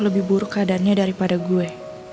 lebih buruk keadaannya daripada gue